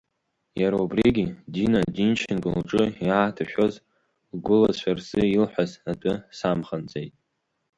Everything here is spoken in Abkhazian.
Иара убригьы, Дина Динченко лҿы иааҭашәоз лгәылацәа рзы илҳәаз атәы самханҵеит.